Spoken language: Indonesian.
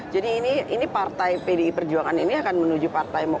jadi ini partai pdi perjuangan ini akan menuju partai pelopor